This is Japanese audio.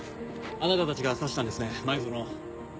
あなたたちが刺したんですね前薗を。